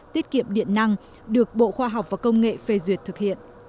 tiết kiệm điện năng được bộ khoa học và công nghệ phê duyệt thực hiện